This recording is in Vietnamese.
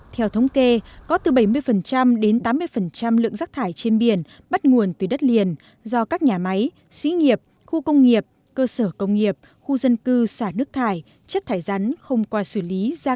theo thống kê có từ bảy mươi đến tám mươi lượng rác thải trên biển bắt nguồn từ đất liền do các nhà máy sĩ nghiệp khu công nghiệp cơ sở công nghiệp khu dân cư xả nước thải chất thải rắn không qua xử lý